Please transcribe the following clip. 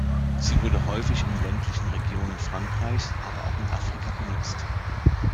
Sie wurde häufig in ländlichen Regionen Frankreichs, aber auch in Afrika genutzt.